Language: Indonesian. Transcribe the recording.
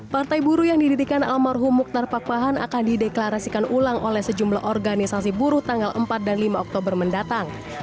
partai buruh yang didirikan almarhum mukhtar pakpahan akan dideklarasikan ulang oleh sejumlah organisasi buruh tanggal empat dan lima oktober mendatang